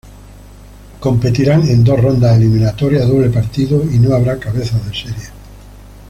Competirán en dos rondas eliminatorias a doble partido y no habrá cabezas de serie.